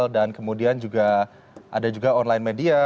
dan kemudian juga ada juga online media